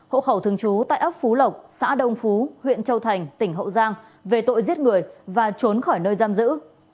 hộ khẩu thường trú tại ấp phú lộc xã đông phú huyện châu thành tỉnh hậu giang về tội giết người và trốn khỏi nơi giam giữ